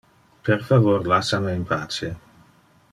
Per favor lassa me in pace.